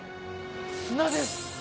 砂です！